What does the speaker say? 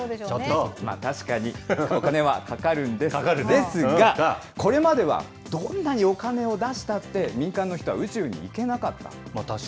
確かに、お金はかかるんですが、これまではどんなにお金を出したって、民間の人は宇宙に行け確かにね。